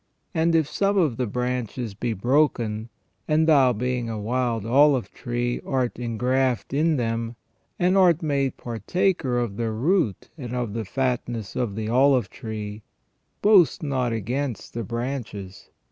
And if some of the branches be broken, and thou being a wild olive tree, art engrafted in them, and art made partaker of the root and of the fatness of the olive tree, boast not against the branches.